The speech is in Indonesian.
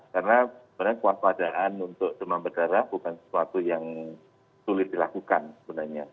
karena sebenarnya kewaspadaan untuk demam berdarah bukan sesuatu yang sulit dilakukan sebenarnya